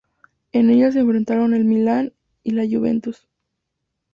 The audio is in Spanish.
En ella se enfrentaron el Milan y la Juventus.